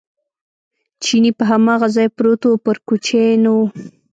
چیني په هماغه ځای پروت و، پر کوچې نه و.